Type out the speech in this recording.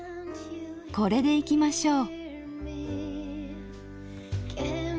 これでいきましょう。